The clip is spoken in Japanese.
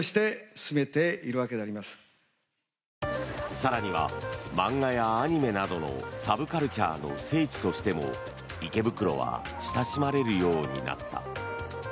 更には漫画やアニメなどのサブカルチャーの聖地としても池袋は親しまれるようになった。